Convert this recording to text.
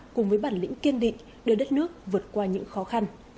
cùng với bản lĩnh kiên định đưa đất nước vượt qua những khó khăn